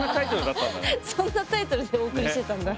そんなタイトルでお送りしてたんだね。